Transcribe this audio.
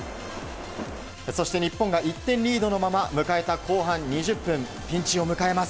そして日本が１点リードのまま迎えた後半２０分、ピンチを迎えます。